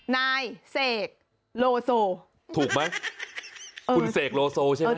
นายเสกโลโซถูกไหมคุณเสกโลโซใช่ไหม